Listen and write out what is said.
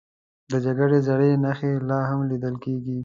د جګړې زړې نښې لا هم لیدل کېږي.